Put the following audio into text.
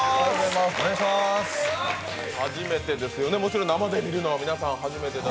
初めてですよね、もちろん生で見るのは皆さん。